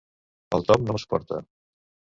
El Tom no la suporta.